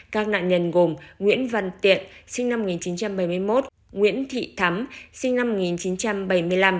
các nạn nhân gồm nguyễn văn tiện sinh năm một nghìn chín trăm bảy mươi một nguyễn thị thắm sinh năm một nghìn chín trăm bảy mươi năm